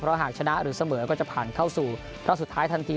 หากชนะหรือเสมอก็จะผ่านเข้าสู่รอบสุดท้ายทันที